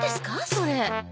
それ。